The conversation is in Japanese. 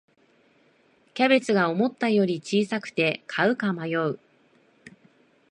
キャベツが思ったより小さくて買うか迷う